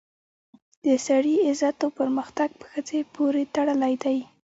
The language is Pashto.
د سړي عزت او پرمختګ په ښځې پورې تړلی دی